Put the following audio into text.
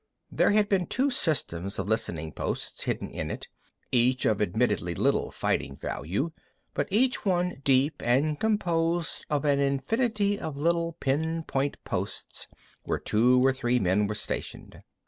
There had been two systems of listening posts hidden in it, each of admittedly little fighting value, but each one deep and composed of an infinity of little pin point posts where two or three men were stationed.